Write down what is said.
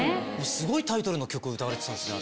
すごいタイトルの曲歌われてたんですね。